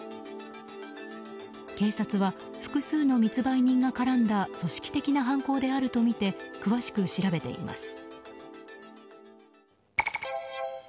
警察は、複数の密売人が絡んだ組織的な犯行であるとみて詳しく調べています。